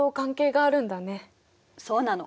そうなの。